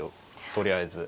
とりあえず。